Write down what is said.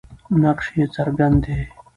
نقش یې څرګند دی.